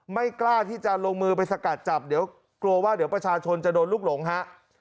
ไม่กล้าที่จะลงมือไปสกัดจับเดี๋ยวกลัวว่าเดี๋ยวประชาชนจะโดนลูกหลงฮะ